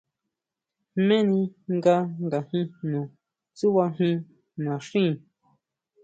¿Jméni nga ngajin jno tsuʼbajín naxín?